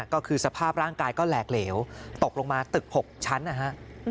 ก็คือสภาพร่างกายก็แหลกเหลวตกลงมาตึก๖ชั้นนะฮะ